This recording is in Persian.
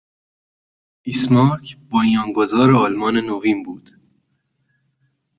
بیسمارک بنیانگزار آلمان نوین بود.